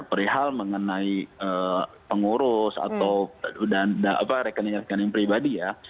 perihal mengenai pengurus atau rekening rekening pribadi ya